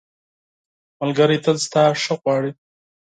ملګری تل ستا ښه غواړي.